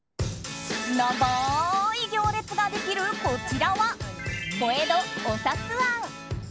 長い行列ができるこちらは小江戸おさつ庵。